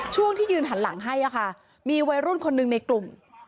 ช่วงที่ยืนหันหลังให้มีวัยรุ่นคนหนึ่งในกลุ่ม